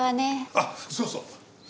あっそうそう。